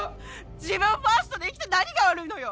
自分ファーストで生きて何が悪いのよ。